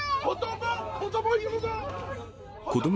子ども！